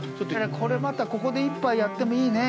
これまた、ここで一杯やってもいいね。